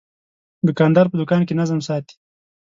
دوکاندار په دوکان کې نظم ساتي.